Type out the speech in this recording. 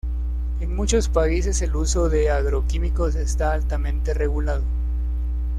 En muchos países, el uso de agroquímicos está altamente regulado.